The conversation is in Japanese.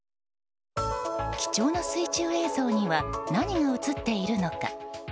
貴重な水中映像には何が映っているのか。